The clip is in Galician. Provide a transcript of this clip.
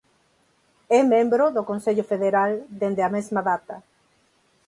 É membro do Consello Federal dende a mesma data.